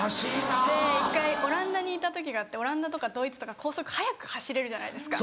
で一回オランダにいた時があってオランダとかドイツとか高速速く走れるじゃないですか。